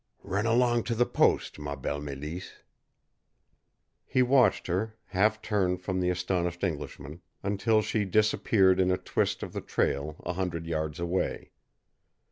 "Run along to the post, ma belle Mélisse." He watched her, half turned from the astonished Englishman, until she disappeared in a twist of the trail a hundred yards away.